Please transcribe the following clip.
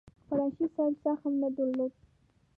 قریشي صاحب زغم نه درلود.